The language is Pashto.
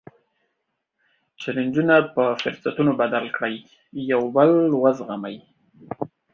جیلنجونه په فرصتونو بدل کړئ، یو بل وزغمئ.